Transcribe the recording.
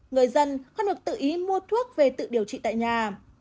người dân không được tự ý mua thuốc về tự điều trị tại nhà